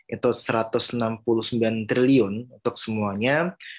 itu rp satu ratus enam puluh sembilan triliun untuk semuanya